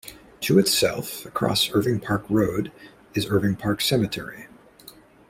To its south, across Irving Park Road, is Irving Park Cemetery.